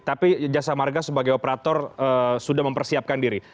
tapi jasa marga sebagai operator sudah mempersiapkan diri